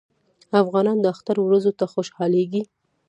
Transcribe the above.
افغانان د اختر ورځو ته خوشحالیږي.